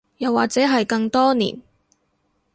又或者係更多年